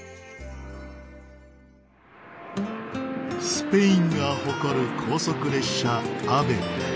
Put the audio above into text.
スペインが誇る高速列車ＡＶＥ。